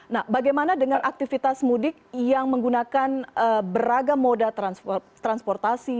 nah bagaimana dengan aktivitas mudik yang menggunakan beragam moda transportasi